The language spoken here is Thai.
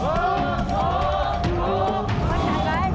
เข้าใจไหม